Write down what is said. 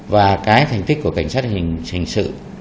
và cái thành tích của cảnh sát hình sự